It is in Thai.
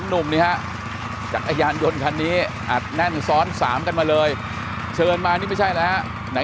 หนุ่มนี่ฮะจักรยานยนต์คันนี้อัดแน่นซ้อนสามกันมาเลยเชิญมานี่ไม่ใช่แล้วฮะไหน